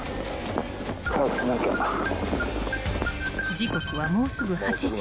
［時刻はもうすぐ８時］